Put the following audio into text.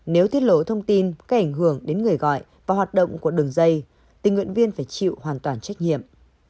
nếu tiết lộ thông tin gây ảnh hưởng đến người gọi và hoạt động của đường dây tình nguyện viên phải chịu hoàn toàn trách nhiệm